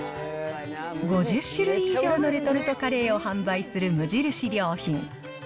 ５０種類以上のレトルトカレーを販売する無印良品。